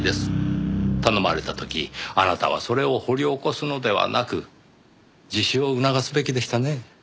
頼まれた時あなたはそれを掘り起こすのではなく自首を促すべきでしたね。